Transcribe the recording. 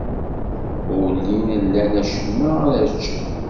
Ur llin lan acemma ara ččen.